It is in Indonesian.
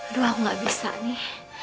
aduh aku gak bisa nih